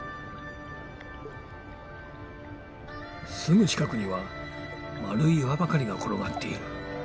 すぐ近くには丸い岩ばかりが転がっている。